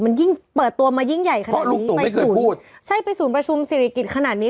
มันยิ่งเปิดตัวมายิ่งใหญ่ขนาดนี้เพราะลุงตู่ไม่เคยพูดใช่ไปศูนย์ประชุมศิริกิจขนาดนี้